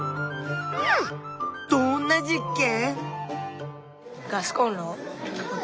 どんな実験？